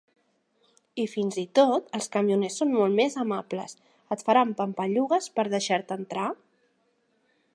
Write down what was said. I fins i tot els camioners són molt més amables; et faran pampallugues per deixar-te entrar.